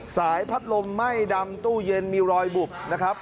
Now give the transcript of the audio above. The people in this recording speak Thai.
สายพัดลมไหม้ดำตู้เย็นมีรอยบุบนะครับ